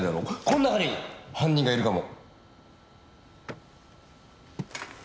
この中に犯人がいるかも！